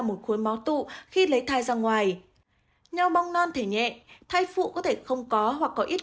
một khối máu tụ khi lấy thai ra ngoài nhò bong non thể nhẹ thai phụ có thể không có hoặc có ít